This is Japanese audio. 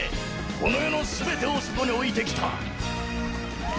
この世の全てをそこに置いてきた」